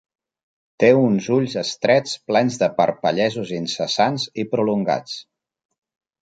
Té uns ulls estrets plens de parpellejos incessants i prolongats.